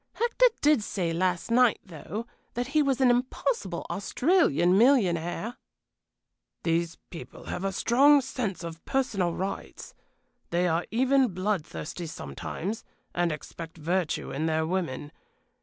"Hector did say last night, though, that he was an impossible Australian millionaire." "These people have a strong sense of personal rights they are even blood thirsty sometimes, and expect virtue in their women.